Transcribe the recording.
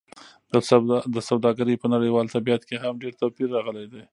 د سوداګرۍ په نړیوال طبیعت کې هم ډېر توپیر راغلی دی.